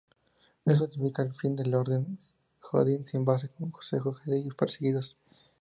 Esto significó el fin de la Orden Jedi sin base, Consejo Jedi y perseguidos.